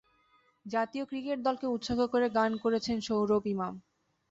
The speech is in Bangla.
জাতীয় ক্রিকেট দলকে উৎসর্গ করে গান করেছেন সৌরভ ইমাম।